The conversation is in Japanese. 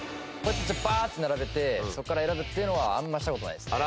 バーッて並べてそこから選ぶっていうのはあんまりした事ないですね。